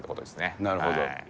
なるほど。